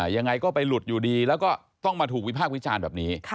ยังไงก็ไปหลุดอยู่ดีแล้วก็ต้องมาถูกวิพากษ์วิจารณ์แบบนี้